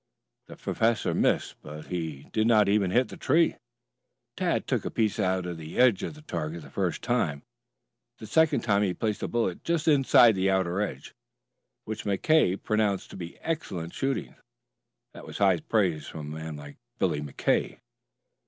The professor missed. He did not even hit the tree. Tad took a piece out of the edge of the target the first time. The second he placed a bullet just inside the outer edge, which McKay pronounced to be excellent shooting. That was high praise from a man like Billy McKay.